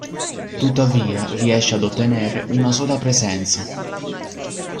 Tuttavia riesce ad ottenere una sola presenza.